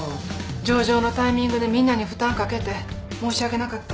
上場のタイミングでみんなに負担かけて申し訳なかった。